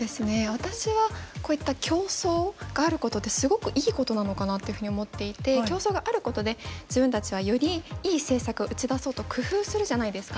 私はこういった競争があることってすごくいいことなのかなっていうふうに思っていて競争があることで自分たちはよりいい政策を打ち出そうと工夫するじゃないですか。